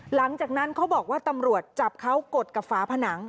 หลังจากนั้นเขาบอกว่าตำรวจจับเขากดกับฝาผนัง